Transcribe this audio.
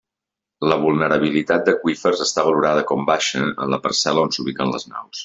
La vulnerabilitat d'aqüífers està valorada com baixa en la parcel·la on s'ubiquen les naus.